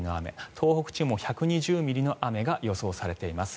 東北地方も１２０ミリの雨が予想されています。